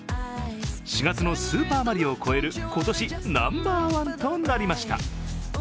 ４月の「スーパーマリオ」を超える今年ナンバーワンとなりました。